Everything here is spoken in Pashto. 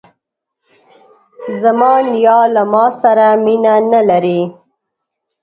زما نیا له ماسره مینه نه لري.